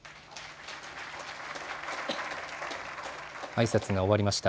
あいさつが終わりました。